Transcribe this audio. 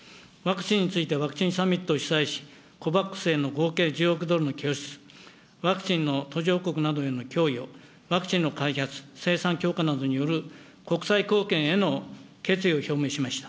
ワクチンについてはワクチンサミットを主催し、コバックスへの合計１０億ドルの拠出、ワクチンの途上国などへの供与、ワクチンの開発、生産強化などによる国際貢献への決意を表明しました。